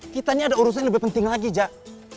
kitanya ada urusan yang lebih penting lagi jak